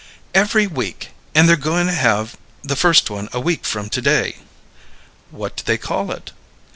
"Every week; and they're goin' to have the first one a week from to day." "What do they call it?"